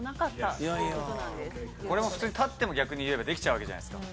これも普通に立っても逆にいえばできちゃうわけじゃないですか。